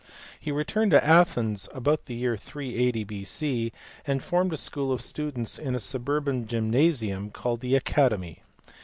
He returned to Athens about the year 380 B.C., and formed a school of students in a suburban gym nasium called the "Academy."